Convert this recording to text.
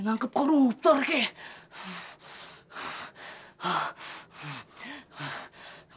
nangkep koruptor kayak